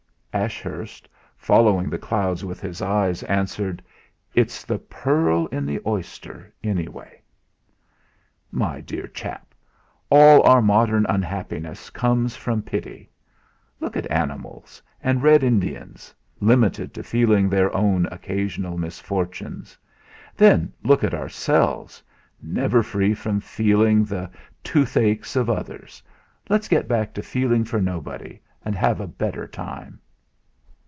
Ashurst, following the clouds with his eyes, answered: "It's the pearl in the oyster, anyway." "My dear chap, all our modern unhappiness comes from pity. Look at animals, and Red Indians, limited to feeling their own occasional misfortunes; then look at ourselves never free from feeling the toothaches of others. Let's get back to feeling for nobody, and have a better time."